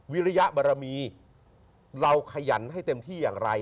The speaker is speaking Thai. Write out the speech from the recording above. วิริยบรมีเราขยันให้เต็มที่อย่างไร